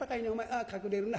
ああ隠れるな。